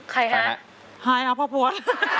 ใครฮะฮายฮะพ่อปวด